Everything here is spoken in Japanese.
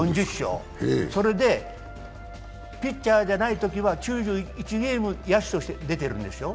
それでピッチャーじゃないときは９１ゲーム野手として出てるんですよ。